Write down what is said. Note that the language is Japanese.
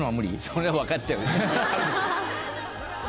それは分かっちゃう。